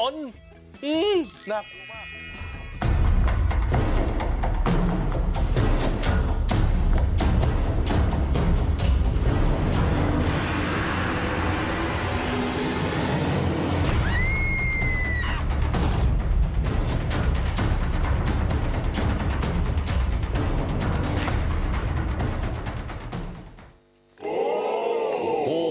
น่ากลัวมาก